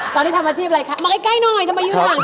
ตอนนี้ทำอาชีพอะไรคะมองใกล้หน่อยทำไมอยู่หลัง